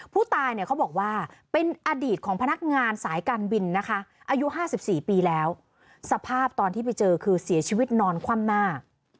ผู้ตายเนี่ยเขาบอกว่าเป็นอดีตของพนักงานสายการบินนะคะอายุ๕๔ปีแล้วสภาพตอนที่ไปเจอคือเสียชีวิตนอนคว่ำหน้า